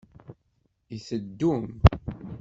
I teddum?